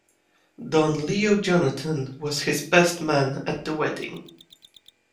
Don Leo Jonathan was his best man at the wedding.